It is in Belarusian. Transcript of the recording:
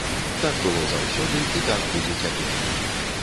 Так было заўсёды і так будзе цяпер.